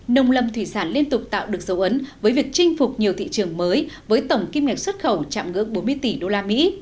nông lâm thủy sản liên tục tạo được dấu ấn với việc chinh phục nhiều thị trường mới với tổng kim ngạc xuất khẩu chạm ngưỡng bốn mươi tỷ usd